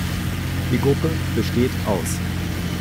Die Gruppe besteht aus